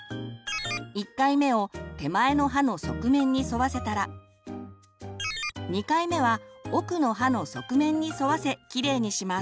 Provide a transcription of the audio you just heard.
１回目を手前の歯の側面に沿わせたら２回目は奥の歯の側面に沿わせきれいにします。